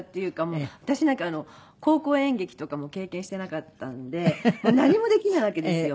私なんか高校演劇とかも経験してなかったんで何もできないわけですよ。